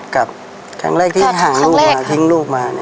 กับครั้งแรกที่หาลูกมาทิ้งลูกมา